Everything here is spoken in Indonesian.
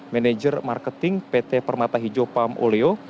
manager marketing pt permata hijau pam oleo